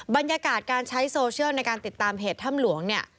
บรรยากาศการใช้โซเชียลในการติดตามเพจถ้ำหลวงเนี่ย